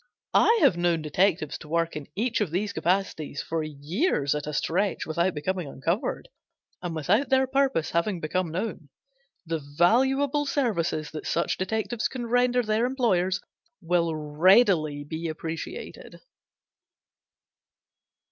I have known detectives to work in each of these capacities for years at a stretch without becoming uncovered, and without their purpose having become known. The valuable services that such detectives can render their employers will readily be appreciated.